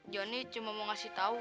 joni cuma mau kasih tau